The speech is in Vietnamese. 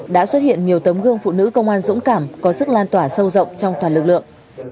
đã xuất hiện nhiều tấm gương phụ nữ công an dũng cảm có sức lan tỏa sâu rộng trong toàn lực lượng